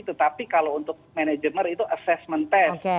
tetapi kalau untuk manajemen itu assessment test